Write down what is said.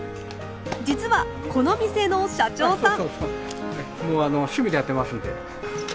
実はこの店の社長さん。